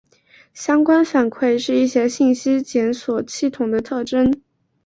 相关反馈是一些信息检索系统的特征。